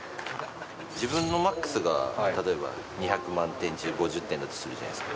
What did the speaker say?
自分のマックスが例えば２００満点中５０点だとするじゃないですか。